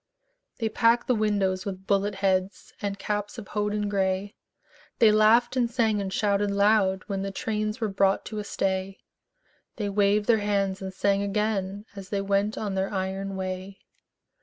They packed the windows with bullet heads And caps of hodden gray; They laughed and sang and shouted loud When the trains were brought to a stay; They waved their hands and sang again As they went on their iron way.